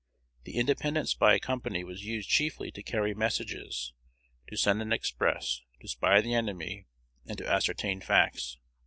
The 'Independent Spy Company' was used chiefly to carry messages, to send an express, to spy the enemy, and to ascertain facts.